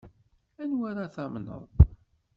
Anwa ara tamneḍ?